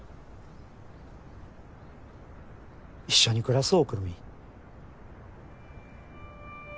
一緒に暮らそうくるみ。